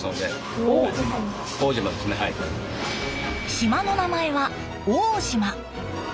島の名前は奥武島。